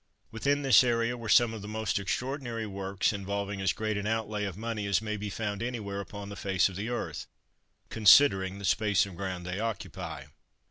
Within this area were some of the most extraordinary works, involving as great an outlay of money as may be found anywhere upon the face of the earth, considering the space of ground they occupy.